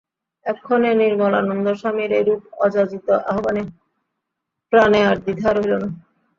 এক্ষণে নির্মলানন্দ স্বামীর এইরূপ অযাচিত আহ্বানে প্রাণে আর দ্বিধা রহিল না।